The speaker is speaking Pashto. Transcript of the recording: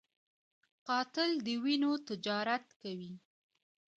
قاتل د وینو تجارت کوي